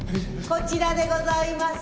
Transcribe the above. こちらでございます。